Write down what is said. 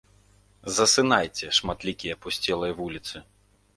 Засынайце, шматлікія апусцелыя вуліцы.